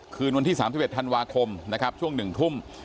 คืนวันที่๓๑ธันวาคมนะครับช่วง๑ทุ่ม